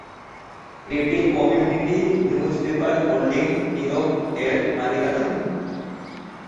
এটি community newspaper holdings inc এর মালিকানাধীন।